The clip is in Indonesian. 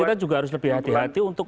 kita juga harus lebih hati hati untuk